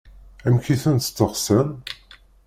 Amek i ten-steqsan?